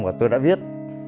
và tôi đã viết